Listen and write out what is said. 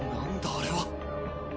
あれは」